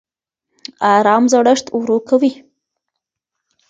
ارام زړښت ورو کوي